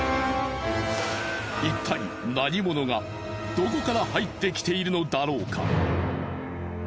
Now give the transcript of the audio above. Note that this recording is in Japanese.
一体何者がどこから入ってきているのだろうか？